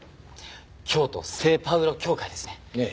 京都聖パウロ教会ですね？